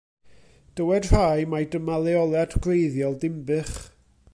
Dywed rhai mai dyma leoliad gwreiddiol Dinbych.